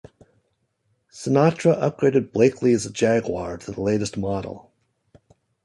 Sinatra upgraded Blakeley's Jaguar to the latest model.